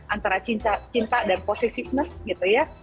antara cinta dan positiveness gitu ya